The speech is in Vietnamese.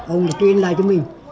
ông đã truyền lại cho mình